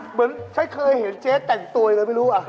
เหมือนฉันเคยเห็นเจ๊แต่งตัวยังไงไม่รู้อ่ะ